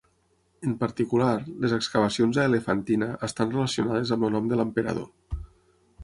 En particular, les excavacions a Elefantina estan relacionades amb el nom de l'emperador.